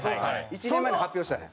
１年前に発表したんや。